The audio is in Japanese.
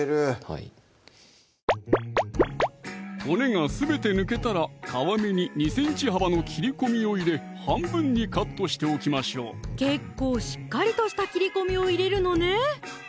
はい骨がすべて抜けたら皮目に２ｃｍ幅の切り込みを入れ半分にカットしておきましょう結構しっかりとした切り込みを入れるのね！